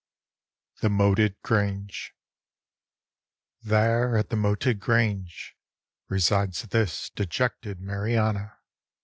THE MOATED GRANGE "_There, at the moated grange, resides this dejected Mariana.